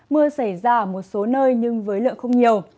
mưa xảy ra ở một số nơi nhưng với lượng không nhiều